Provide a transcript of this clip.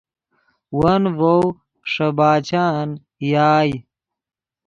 ون ڤؤ ݰے باچان یائے